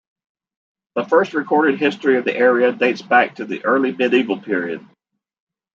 The first recorded history of the area dates back to the early medieval period.